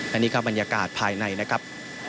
อันนี้ก็บรรยากาศภายในนะครับ